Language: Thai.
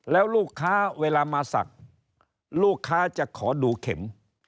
แล้วลูกค้าเวลามาสักลูกค้าจะขอดูเข็ม